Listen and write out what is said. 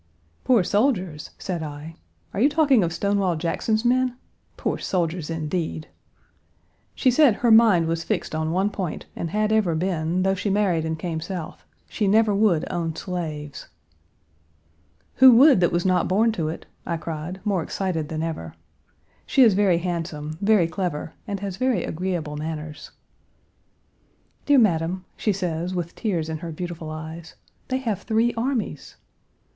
"Poor soldiers?" said I. "Are you talking of Stonewall Jackson's men? Poor soldiers, indeed!" She said her mind was fixed on one point, and had ever been, though she married and came South: she never would own slaves. "Who would that was not born to it?" I cried, more excited than ever. She is very handsome, very clever, and has very agreeable manners. "Dear madam," she says, with tears in her beautiful eyes, "they have three armies."